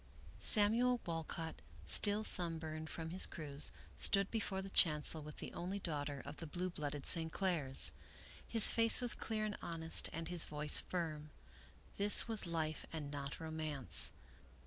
" Samuel Walcott, still sunburned from his cruise, stood before the chancel with the only daughter of the blue 95 American Mystery Stories blooded St. Clairs. His face was clear and honest and his voice firm. This was life and not romance.